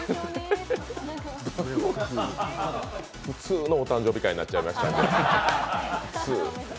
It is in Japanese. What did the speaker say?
普通のお誕生日会になっちゃいましたが。